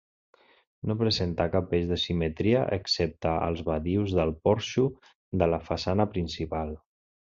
No presenta cap eix de simetria excepte als badius del porxo de la façana principal.